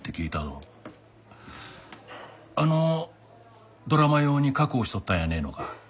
あのドラマ用に確保しとったんやねえのか？